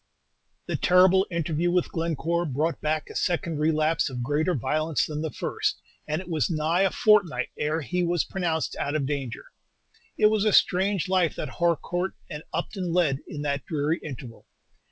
The terrible interview with Glencore brought back a second relapse of greater violence than the first, and it was nigh a fortnight ere he was pronounced out of danger. It was a strange life that Harcourt and Upton led in that dreary interval.